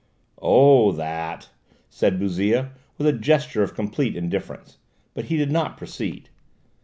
"Oh, that!" said Bouzille with a gesture of complete indifference. But he did not proceed.